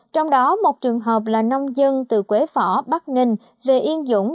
trong đó một trường hợp là nông dân từ quế phỏ bắc ninh về yên dũng